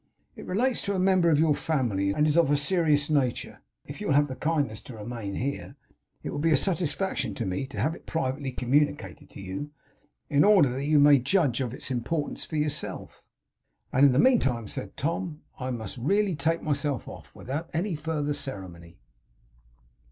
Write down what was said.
'It relates to a member of your family, and is of a serious nature. If you will have the kindness to remain here, it will be a satisfaction to me to have it privately communicated to you, in order that you may judge of its importance for yourself.' 'And in the meantime,' said Tom, 'I must really take myself off, without any further ceremony.